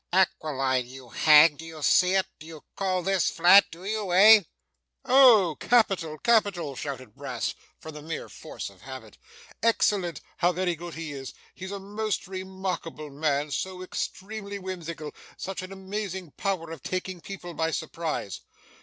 'Aquiline, you hag. Do you see it? Do you call this flat? Do you? Eh?' 'Oh capital, capital!' shouted Brass, from the mere force of habit. 'Excellent! How very good he is! He's a most remarkable man so extremely whimsical! Such an amazing power of taking people by surprise!